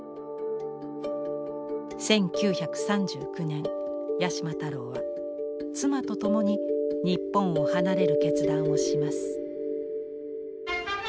１９３９年八島太郎は妻と共に日本を離れる決断をします。